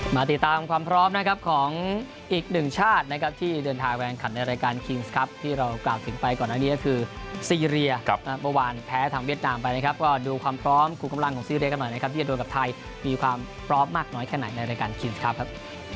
มาติดตามความพร้อมนะครับของอีกหนึ่งชาตินะครับที่เดินทางแรงขันในรายการคิงส์ครับที่เรากล่าวถึงไปก่อนอันนี้ก็คือซีเรียเมื่อวานแพ้ทางเวียดนามไปนะครับก็ดูความพร้อมครูกำลังของซีเรียกันหน่อยนะครับที่จะโดนกับไทยมีความพร้อมมากน้อยแค่ไหนในรายการคิงส์ครับ